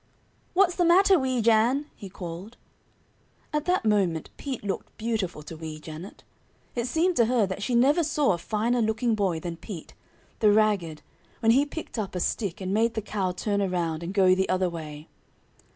"What's the matter, Weejan?" he called. At that moment Pete looked beautiful to Wee Janet. It seemed to her that she never saw a finer looking boy than Pete, the ragged, when he picked up a stick and made the cow turn around and go the other way.